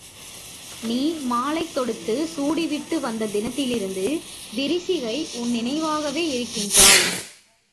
நீ மாலை தொடுத்துச் சூட்டிவிட்டு வந்த தினத்திலிருந்து விரிசிகை உன் நினைவாகவே இருக்கின்றாள்.